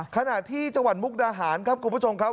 ขณะที่จังหวัดมุกดาหารครับคุณผู้ชมครับ